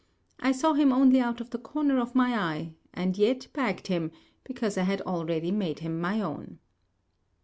I saw him only out of the corner of my eye, and yet bagged him, because I had already made him my own.